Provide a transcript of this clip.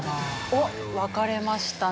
おっ分かれましたね。